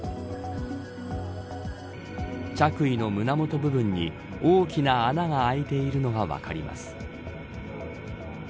着衣の胸元部分に大きな穴があいているのが分かります。